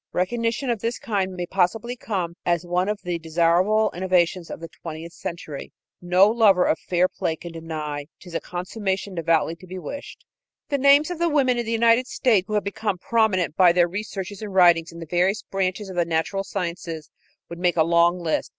Recognition of this kind may possibly come as one of the desirable innovations of the twentieth century. No lover of fair play can deny "'tis a consummation devoutly to be wished." The names of the women in the United States who have become prominent by their researches and writings in the various branches of the natural sciences would make a long list.